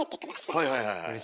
はいはいはいはい。